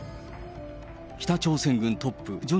北朝鮮軍トップ、パク・